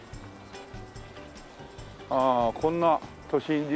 ああこんな都心にね。